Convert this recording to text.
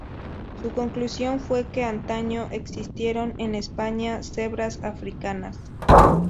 Su conclusión fue que antaño existieron en España cebras africanas.